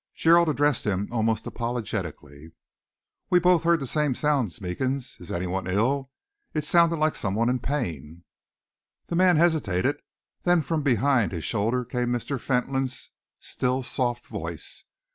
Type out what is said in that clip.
Gerald addressed him almost apologetically. "We both heard the same sound, Meekins. Is any one ill? It sounded like some one in pain." The man hesitated. Then from behind his shoulder came Mr. Fentolin's still, soft voice.